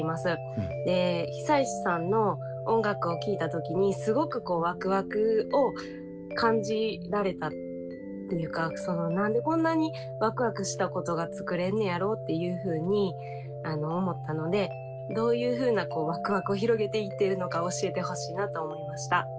久石さんの音楽を聴いた時にすごくワクワクを感じられたっていうか何でこんなにワクワクしたことが作れんねやろっていうふうに思ったのでどういうふうなワクワクを広げていってるのか教えてほしいなと思いました。